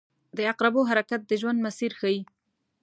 • د عقربو حرکت د ژوند مسیر ښيي.